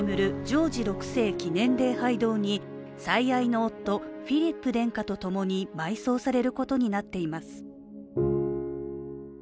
ジョージ６世記念礼拝堂に最愛の夫、フィリップ殿下とともに、埋葬されることになっています。